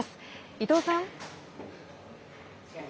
伊藤さん。